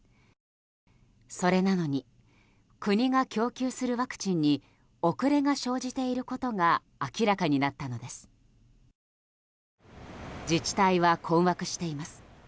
それなのに国が供給するワクチンに遅れが生じていることが明らかになったのです。